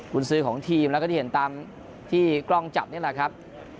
คุณซื้อของทีมแล้วก็ที่เห็นตามที่กล้องจับนี่แหละครับ